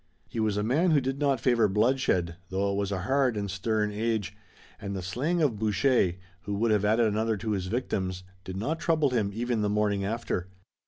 He was a man who did not favor bloodshed, though it was a hard and stern age, and the slaying of Boucher, who would have added another to his victims, did not trouble him even the morning after.